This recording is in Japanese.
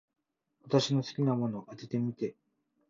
私の好きなもの、当ててみて。